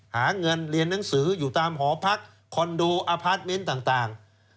หาเงินเรียนหนังสืออยู่ตามหอพักคอนโดอพาร์ทเมนต์ต่าง